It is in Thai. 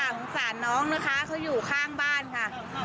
สงสารน้องนะคะเขาอยู่ข้างบ้านค่ะ